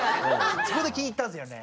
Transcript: そこで気に入ったんですよね。